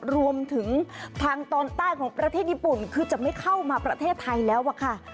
รวมถึงทางตอนใต้ของประเทศญี่ปุ่นคือจะไม่เข้ามาประเทศไทยแล้วอะค่ะ